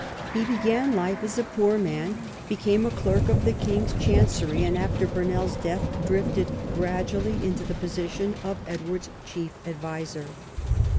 He began life as a poor man, became a clerk of the king's Chancery, and after Burnell's death drifted gradually into the position of Edward's chief adviser.